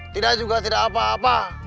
tidak juga tidak apa apa